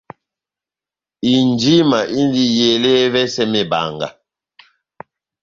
Injima indi ele ́evɛsɛ mebanga.